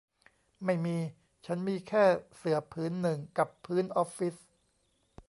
ไม่มี ฉันมีแค่เสื่อผืนหนึ่งกับพื้นออฟฟิศ